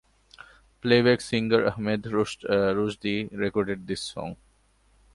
Playback singer Ahmed Rushdi recorded this song.